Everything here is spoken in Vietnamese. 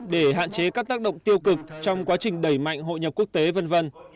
để hạn chế các tác động tiêu cực trong quá trình đẩy mạnh hội nhập quốc tế v v